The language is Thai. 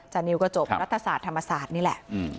นิวก็จบรัฐศาสตร์ธรรมศาสตร์นี่แหละ